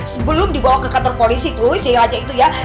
sebelum dibawa ke kantor polisi tuh jaga itu ya